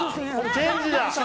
チェンジだ！